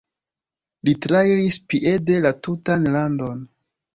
Li trairis piede la tutan landon.